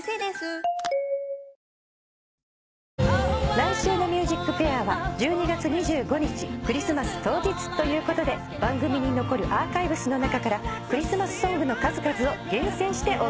来週の『ＭＵＳＩＣＦＡＩＲ』は１２月２５日クリスマス当日ということで番組に残るアーカイブスの中からクリスマスソングの数々を厳選してお送りします。